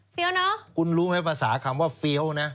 เนอะคุณรู้ไหมภาษาคำว่าเฟี้ยวนะ